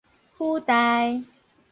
輔大